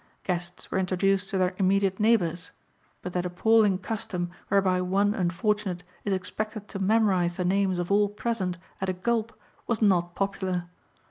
Guests were introduced to their immediate neighbors; but that appalling custom whereby one unfortunate is expected to memorize the names of all present at a gulp was not popular.